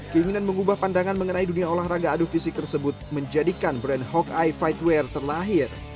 keinginan mengubah pandangan mengenai dunia olahraga adu fisik tersebut menjadikan brand hawkeye fightwear terlahir